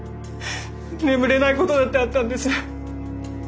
眠れないことだってあったんです。